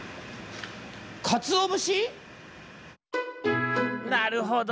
かつおぶし⁉なるほど。